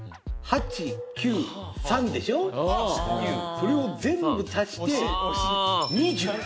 これを全部足して。